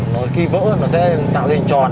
nó khi vỡ nó sẽ tạo hình tròn